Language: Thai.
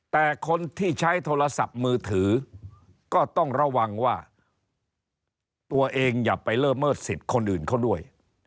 แต่คนที่ใช้โทรศัพท์มือถือก็ต้องระวังว่าตัวเองอย่าไปเลิศสิทธิ์คนอื่นเขาด้วย